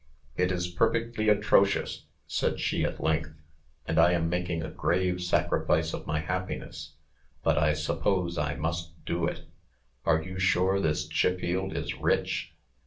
"It is perfectly atrocious," said she, at length, "and I am making a grave sacrifice of my happiness; but I suppose I must do it. Are you sure this Chiffield is rich?"